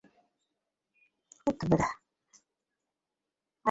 আরে খবরের কাগজ থেকে কোনো লাভ হবে কি?